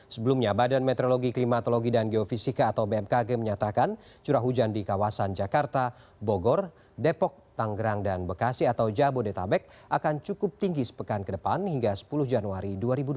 sebelumnya badan meteorologi klimatologi dan geofisika atau bmkg menyatakan curah hujan di kawasan jakarta bogor depok tanggerang dan bekasi atau jabodetabek akan cukup tinggi sepekan ke depan hingga sepuluh januari dua ribu dua puluh